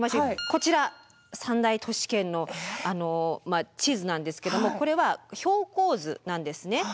こちら三大都市圏の地図なんですけどもこれは標高図なんですね。